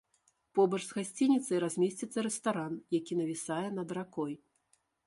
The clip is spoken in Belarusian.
Побач з гасцініцай размесціцца рэстаран, які навісае над ракой.